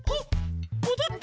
もどった！